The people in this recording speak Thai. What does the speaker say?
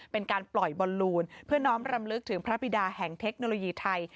เป็นการปล่อยบอลลูนเพื่อน้องรำลึกถึงพระบิดาแห่งเทคโนโลยีไทย